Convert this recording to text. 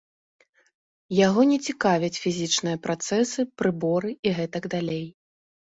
Яго не цікавяць фізічныя працэсы, прыборы і гэтак далей.